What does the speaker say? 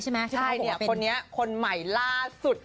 ใช่คนี้คนนี้คนใหม่ล่าสุด